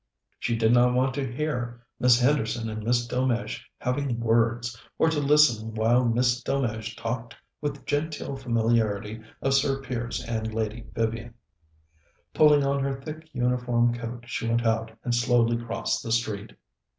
She did not want to hear Miss Henderson and Miss Delmege having "words," or to listen while Miss Delmege talked with genteel familiarity of Sir Piers and Lady Vivian. Pulling on her thick uniform coat, she went out, and slowly crossed the street.